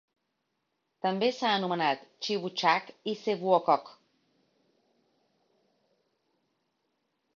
També s'ha anomenat Chibuchack i Sevuokok.